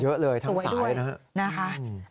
เยอะเลยทั้งสายนะฮะ